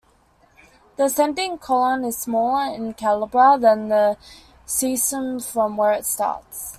The ascending colon is smaller in calibre than the cecum from where it starts.